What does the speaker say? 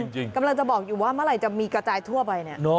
กำลังจะบอกอยู่ว่าเมื่อไหร่จะมีกระจายทั่วไปเนี่ย